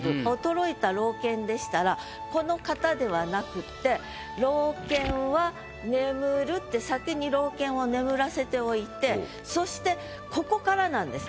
だいぶこの型ではなくって「老犬は眠る」って先に老犬を眠らせておいてそしてここからなんです。